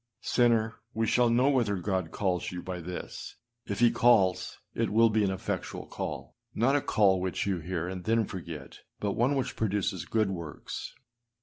Sinner, we shall know whether God calls you by this: if he calls, it will be an effectual call â not a call which you hear and then forget but one which produces good works.